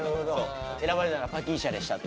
選ばれたのはパキーシャでしたと。